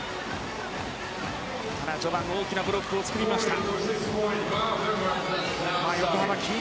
ただ序盤、大きなブロックを作りました。